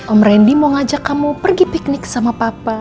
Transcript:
om randy mau ngajak kamu pergi piknik sama papa